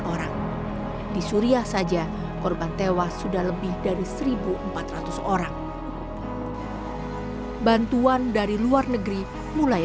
orang di suriah saja korban tewas sudah lebih dari seribu empat ratus orang bantuan dari luar negeri mulai